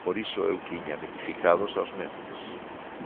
Por iso eu tiña mitificados aos mestres.